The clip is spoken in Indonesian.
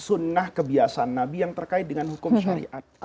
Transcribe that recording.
sunnah kebiasaan nabi yang terkait dengan hukum syariat